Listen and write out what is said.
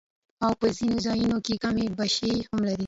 او پۀ ځنې ځايونو کښې کمی بېشی هم لري